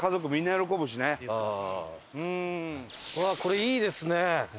うわっこれいいですね。